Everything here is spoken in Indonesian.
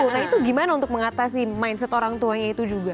nah itu gimana untuk mengatasi mindset orang tuanya itu juga